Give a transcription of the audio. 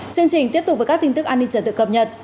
chương trình tiếp tục với các tin tức an ninh trật tự cập nhật